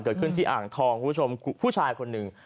เกิดขึ้นที่อ่างทองคุณผู้ชมผู้ชายคนหนึ่ง